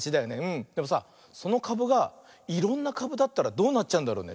でもさそのかぶがいろんなかぶだったらどうなっちゃうんだろうね？